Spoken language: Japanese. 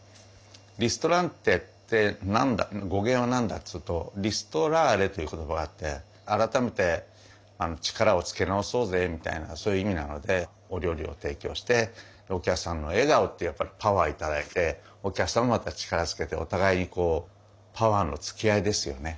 リストランテって語源は何だっていうと「リストラーレ」という言葉があって「改めて力をつけ直そうぜ」みたいなそういう意味なのでお料理を提供してお客さんの笑顔っていうやっぱりパワー頂いてお客様もまた力をつけてお互いこうパワーのつけ合いですよね。